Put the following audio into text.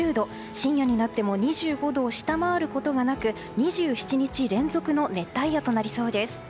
深夜になっても２５度を下回ることがなく２７日連続の熱帯夜となりそうです。